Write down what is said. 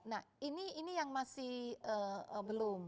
nah ini yang masih belum